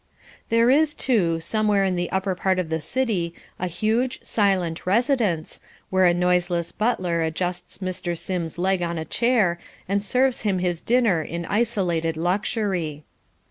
There is, too, somewhere in the upper part of the city a huge, silent residence, where a noiseless butler adjusts Mr. Sims's leg on a chair and serves him his dinner in isolated luxury.